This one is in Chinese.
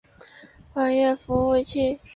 网页服务器。